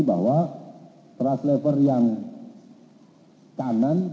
bahwa trust labor yang kanan